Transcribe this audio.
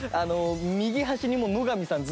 右端にもう野上さん